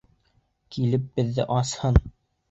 Килеп беҙҙе асһын!